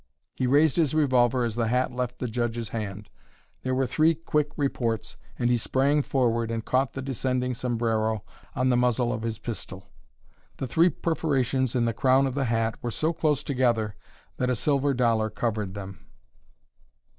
He raised his revolver as the hat left the judge's hand; there were three quick reports, and he sprang forward and caught the descending sombrero on the muzzle of his pistol. The three perforations in the crown of the hat were so close together that a silver dollar covered them.